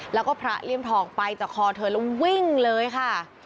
แล้วก็พระเลี่ยมทองไปจากคอเธอแล้ววิ่งเลยค่ะ